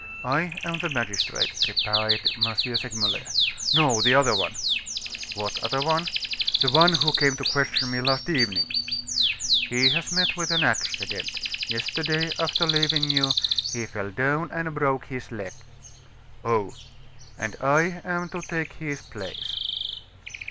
"I am the magistrate," replied M. Segmuller. "No, the other one." "What other one?" "The one who came to question me last evening." "He has met with an accident. Yesterday, after leaving you, he fell down and broke his leg." "Oh!" "And I am to take his place."